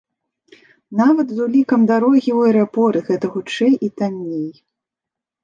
Нават з улікам дарогі ў аэрапорт гэта хутчэй і танней!